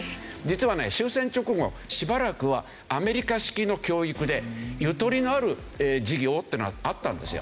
実はね終戦直後しばらくはアメリカ式の教育でゆとりのある授業というのはあったんですよ。